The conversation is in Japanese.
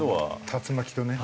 竜巻とね。